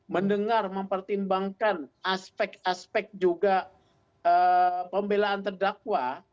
mendengar mempertimbangkan aspek aspek juga pembelaan terdakwa